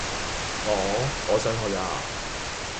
我……我想去呀！